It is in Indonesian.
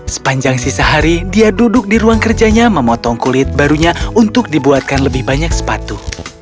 sepanjang sisa hari dia duduk di ruang kerjanya memotong kulit barunya untuk dibuatkan lebih banyak sepatu